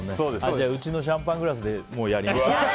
じゃあうちのシャンパングラスでやります。